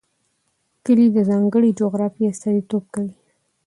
کلي د ځانګړې جغرافیې استازیتوب کوي.